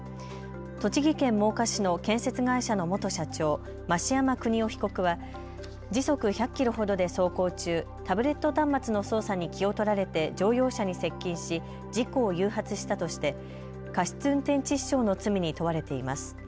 栃木県真岡市の建設会社の元社長、増山邦夫被告は時速１００キロほどで走行中、タブレット端末の操作に気を取られて乗用車に接近し事故を誘発したとして過失運転致死傷の罪に問われています。